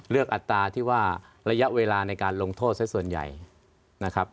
อัตราที่ว่าระยะเวลาในการลงโทษซะส่วนใหญ่นะครับ